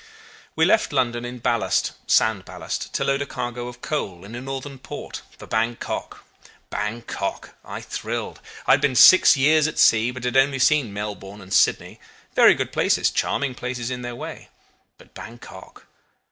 "We left London in ballast sand ballast to load a cargo of coal in a northern port for Bankok. Bankok! I thrilled. I had been six years at sea, but had only seen Melbourne and Sydney, very good places, charming places in their way but Bankok!